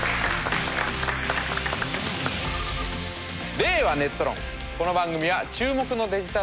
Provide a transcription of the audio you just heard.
「令和ネット論」